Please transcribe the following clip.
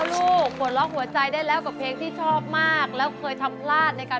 โปรดติดตามตอนต่อไป